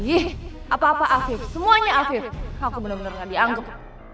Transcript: ih apa apa afif semuanya afif aku bener bener gak dianggap